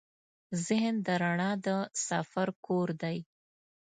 ذهن د رڼا د سفر کور دی.